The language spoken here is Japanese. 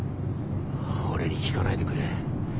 俺に聞かないでくれ。